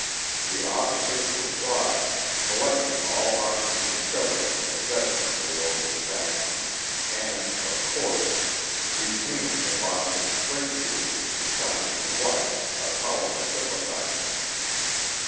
The officers complied, collecting all arms discovered in the possession of the Logan faction, and, of course, retaining the box of Springfields consigned to White, a Tolliver sympathizer.